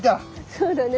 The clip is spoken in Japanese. そうだね。